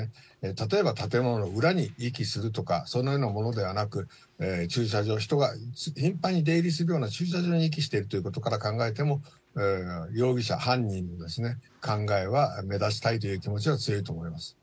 例えば建物の裏に遺棄するとか、そのようなものではなく、駐車場、人が頻繁に出入りするような駐車場に遺棄しているということから考えても、容疑者、犯人の考えは目立ちたいという気持ちが強いと思います。